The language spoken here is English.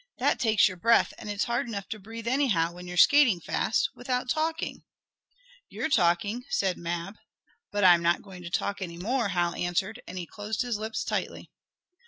"That takes your breath, and it's hard enough to breathe anyhow, when you're skating fast, without talking." "You're talking," said Mab. "But I'm not going to talk any more," Hal answered, and he closed his lips tightly.